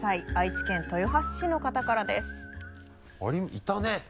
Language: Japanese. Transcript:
いたね。